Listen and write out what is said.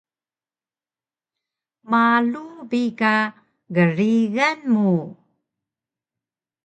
Malu bi ka grigan mu